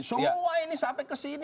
semua ini sampai ke sini